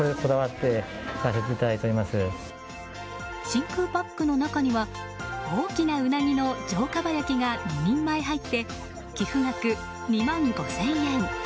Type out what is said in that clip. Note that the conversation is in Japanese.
真空パックの中には大きなウナギの上かば焼きが２人前入って寄付額２万５０００円。